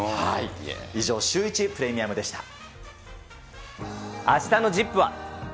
以上、シューイチプレミアムあしたのＺＩＰ！は。